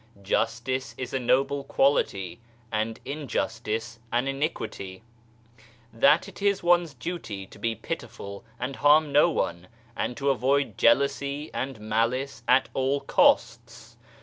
Justice is a noble quality and injustice an iniquity. That it is one's duty to be pitiful and harm no one, and to avoid jealousy and malice at all costs.